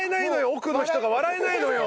奥の人が笑えないのよ！